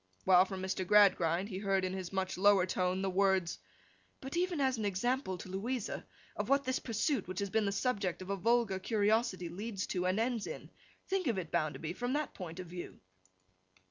While, from Mr. Gradgrind, he heard in his much lower tone the words, 'But even as an example to Louisa, of what this pursuit which has been the subject of a vulgar curiosity, leads to and ends in. Think of it, Bounderby, in that point of view.